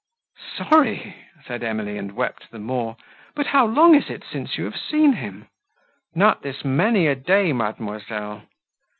"Sorry!" said Emily, and wept the more. "But how long is it since you have seen him?" "Not this many a day, mademoiselle."